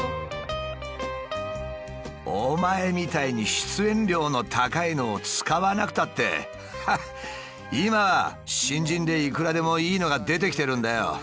「『おまえみたいに出演料の高いのを使わなくたって今は新人でいくらでもいいのが出てきてるんだよ。